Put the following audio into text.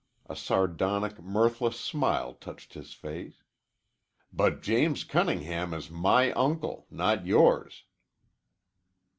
A sardonic, mirthless smile touched his face. "But James Cunningham is my uncle, not yours."